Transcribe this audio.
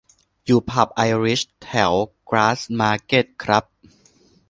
อยู่ผับไอริชแถวกราสมาร์เก็ตครับ